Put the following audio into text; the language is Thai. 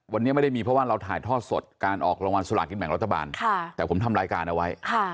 วันนี้ไม่ได้มีเพราะว่าเราถ่ายทอดสดการออกรางวัลสลากินแบ่งรัฐบาลแต่ผมทำรายการเอาไว้